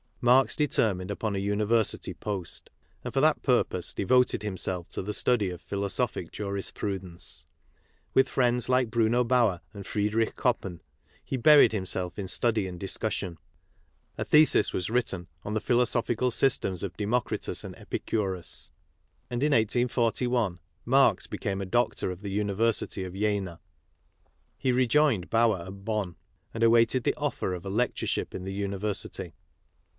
Marx determined upon a University post, and for that purpose devoted himself to the study of philosophic jurisprudence. With friends like Bruno Bauer and Friedrich Koppen, he buried him self in study and discussion. A thesis was written on the philosophical systems of Democritus and Epicurus, and in 1841 Marx became a doctor of the University of Jena. He rejoined Bauer at Bonn and awaited the oEFer of a lectureship in the University.